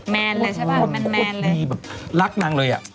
มันมันเลยโอ้โบบบรักนางเลยอ่ะ